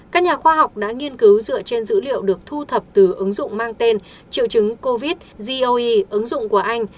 các nhà khoa học đã nghiên cứu dựa trên dữ liệu được thu thập từ ứng dụng mang tên triệu chứng covid goe ứng dụng của anh